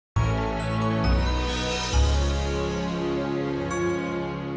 sampai luar sekolah